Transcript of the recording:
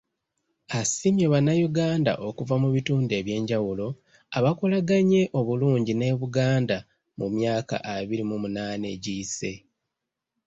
Asiimye Bannayuganda okuva mu bitundu ebyenjawulo, abakolaganye obulungi ne Buganda mu myaka abiri mu munaana egiyise.